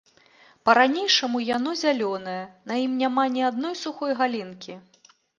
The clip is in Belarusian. Па-ранейшаму яно зялёнае, на ім няма ні адной сухой галінкі.